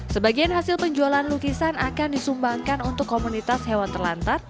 sebagian hasil penjualan lukisan akan disumbangkan untuk komunitas hewan terlantar